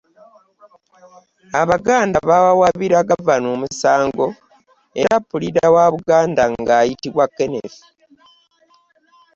Abaganda baawawaabira Gavana omusango era Puliida wa Buganda ng’ayitibwa Kenneth.